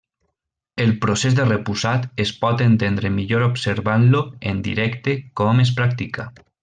El procés de repussat es pot entendre millor observant-lo en directe com es practica.